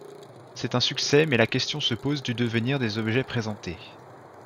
C'est un succès mais la question se pose du devenir des objets présentés.